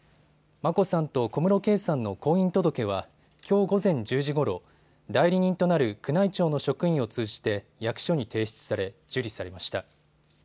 眞子さんと小室圭さんの婚姻届はきょう午前１０時ごろ、代理人となる宮内庁の職員を通じて役所に提出され受理されました。